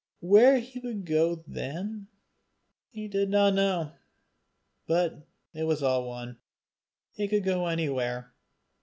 Where he would go then, he did not know. But it was all one; he could go anywhere.